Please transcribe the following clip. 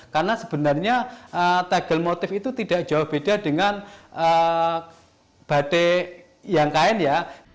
karena sebenarnya tegel motif itu tidak jauh beda dengan badai yang kain ya